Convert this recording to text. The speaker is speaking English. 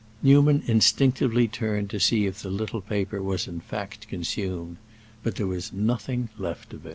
Newman instinctively turned to see if the little paper was in fact consumed; but there was nothing left of it.